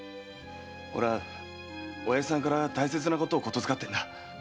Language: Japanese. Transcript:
俺は親父さんから大切なことを言づかってんだ。